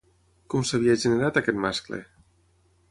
Com s'havia generat aquest mascle?